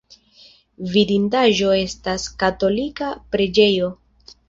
Vidindaĵo estas katolika preĝejo.